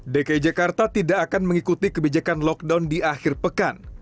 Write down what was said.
dki jakarta tidak akan mengikuti kebijakan lockdown di akhir pekan